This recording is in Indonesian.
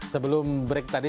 sebelum break tadi